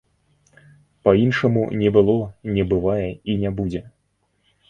Па-іншаму не было, не бывае і не будзе.